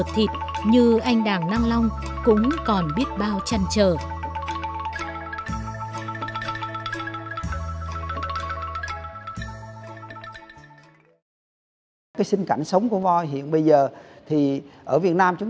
thì không gì thú vị hơn